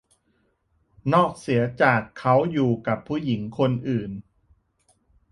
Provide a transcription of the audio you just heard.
นอกเสียจากเขาอยู่กับผู้หญิงคนอื่น